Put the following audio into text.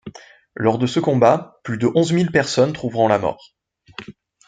Lors de ce combat plus de onze mille personnes trouveront la mort.